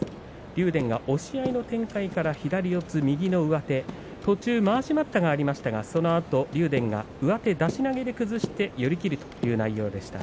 竜電が押し合いの展開から左四つ右の上手途中まわし待ったがありましたが竜電が上手出し投げで崩して寄り切るという内容でした。